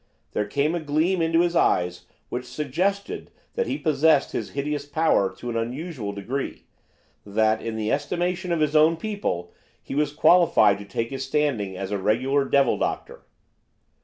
There came a gleam into his eyes which suggested that he possessed his hideous power to an unusual degree, that, in the estimation of his own people, he was qualified to take his standing as a regular devil doctor.